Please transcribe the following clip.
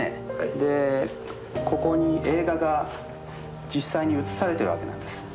でここに映画が実際に映されてるわけなんです。